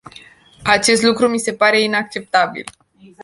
Acest lucru mi se pare inacceptabil.